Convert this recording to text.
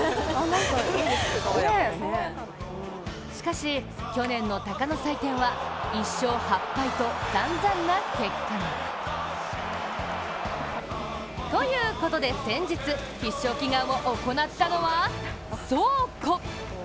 しかし去年の鷹の祭典は１勝８敗とさんざんな結果に。ということで、先日、必勝祈願を行ったのは倉庫！